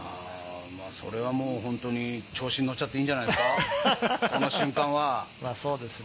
それはもう本当に調子にのちゃっていいんじゃないですか、この瞬間は。